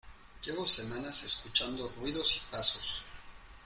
llevo semanas escuchando ruidos y pasos.